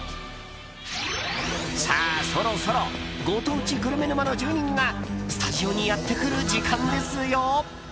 さあ、そろそろご当地グルメ沼の住人がスタジオにやってくる時間ですよ。